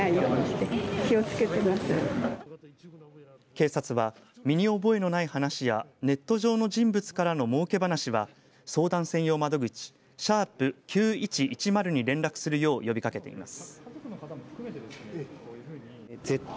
警察は身に覚えのない話やネット上の人物からの儲け話は相談専用窓口＃９１１０に連絡するよう呼びかけています。